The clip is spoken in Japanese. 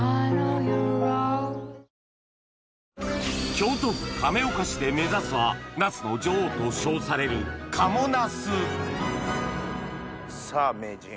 京都府亀岡市で目指すはナスの女王と称される賀茂なすさぁ名人